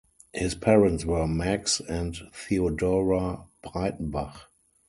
His parents were Max and Theodora Breitenbach.